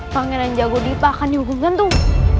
pangeran jagur dipa akan dihukum pancung